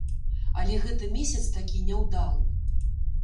Але гэта месяц такі няўдалы.